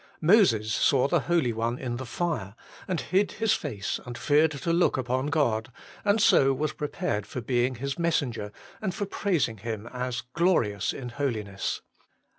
Moses saw the Holy One in the fire, and hid his face and feared to look upon God, and so was prepared for being His messenger, and for praising Him as 'glorious in holiness.'